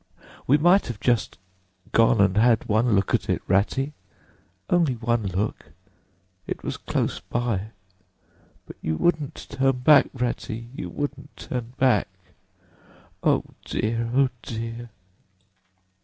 —We might have just gone and had one look at it, Ratty—only one look—it was close by—but you wouldn't turn back, Ratty, you wouldn't turn back! O dear, O dear!"